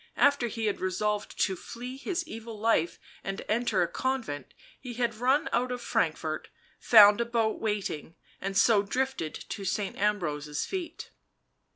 after he had resolved to flee his evil life and enter a convent, he had run out of Frankfort, found a boat waiting — and so drifted to Saint Ambrose's feet.